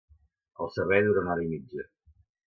El servei dura una hora i mitja.